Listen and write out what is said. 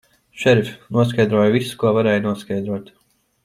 Šerif, noskaidroju visu, ko varēja noskaidrot.